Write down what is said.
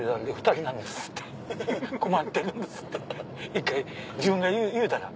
１回自分が言うたら？